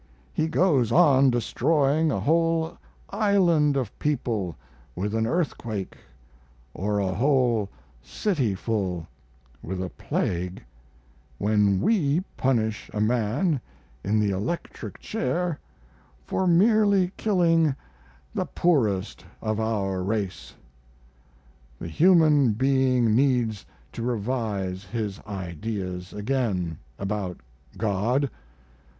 He goes on destroying a whole island of people with an earthquake, or a whole cityful with a plague, when we punish a man in the electric chair for merely killing the poorest of our race. The human being needs to revise his ideas again about God.